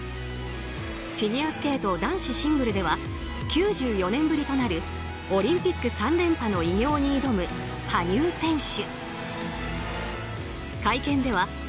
フィギュアスケート男子シングルでは９４年ぶりとなるオリンピック３連覇の偉業に挑む羽生選手。